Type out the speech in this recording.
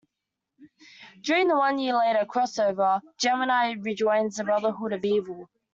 During the One Year Later crossover, Gemini rejoins the Brotherhood of Evil.